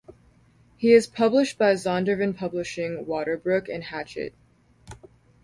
He is published by Zondervan Publishing, WaterBrook, and Hachette.